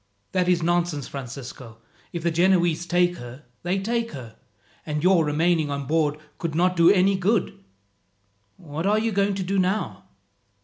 "That is nonsense, Francisco. If the Genoese take her, they take her, and your remaining on board could not do any good. What are you going to do now?"